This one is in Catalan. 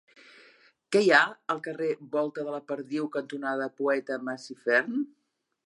Què hi ha al carrer Volta de la Perdiu cantonada Poeta Masifern?